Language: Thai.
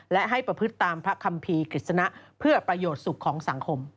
และให้ประพฤติตามพระคัมภีร์กฤษณะเพื่อประโยชน์สุขของสังคม